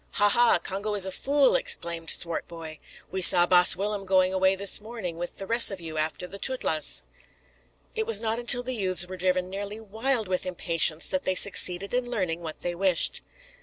"Ha, ha! Congo is a fool," exclaimed Swartboy. "We saw baas Willem going away this morning with the ress of you, after the tootlas." It was not until the youths were driven nearly wild with impatience that they succeeded in learning what they wished.